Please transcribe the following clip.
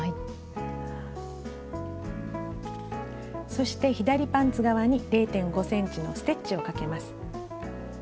そして左パンツ側に０．５ｃｍのステッチをかけます。